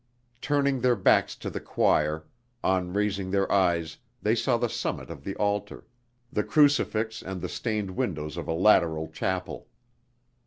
Turning their backs to the choir, on raising their eyes they saw the summit of the altar, the crucifix and the stained windows of a lateral chapel.